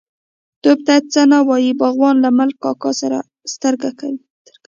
_تواب ته څه نه وايي، باغوان، له ملک کاکا سترګه کوي.